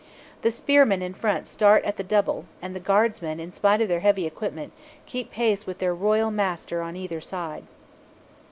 The spearmen in front start at the double, and the guardsmen, in spite of their heavy equipment, keep pace with their royal master on either side.